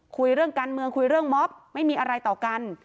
คุยเรื่องการเมืองคุยเรื่องม็อบไม่มีอะไรต่อกัน